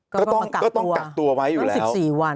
ก็ต้องกักตัวไว้อยู่แล้ว